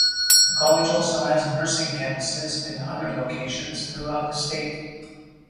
The college also has nursing campuses in other locations throughout the state.